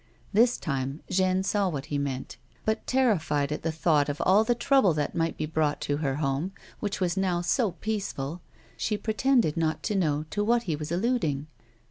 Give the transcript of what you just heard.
This time Jeanne saw what he meant, but, terrified at the thought of all the trouble tliat might be brought to her home, which was now so peaceful, she pretended not to know to what he was alluding.